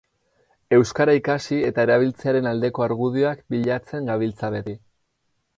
Euskara ikasi eta erabiltzearen aldeko argudioak bilatzen gabiltza beti.